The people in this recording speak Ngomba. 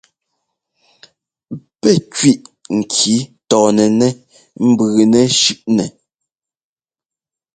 Pɛ́ kwiʼ ŋki tɔɔnɛnɛ́ ɛ́mbʉʉnɛ́ shʉ́ʼnɛ.